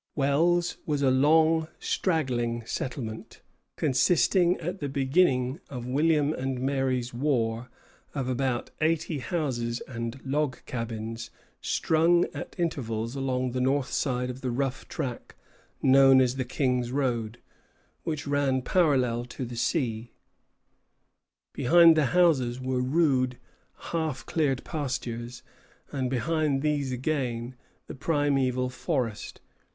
Wells was a long, straggling settlement, consisting at the beginning of William and Mary's War of about eighty houses and log cabins, strung at intervals along the north side of the rough track, known as the King's Road, which ran parallel to the sea. Behind the houses were rude, half cleared pastures, and behind these again, the primeval forest.